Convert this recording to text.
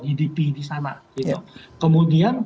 gdp di sana kemudian